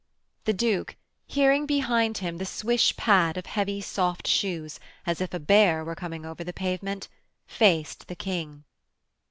The Duke, hearing behind him the swish pad of heavy soft shoes, as if a bear were coming over the pavement, faced the King.